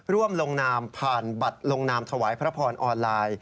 ร่วมลงนามผ่านบัตรลงนามถวายพระพรออนไลน์